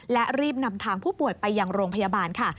และรีบนำทางผู้ป่วยไปยังโรงพยาบาลค่ะ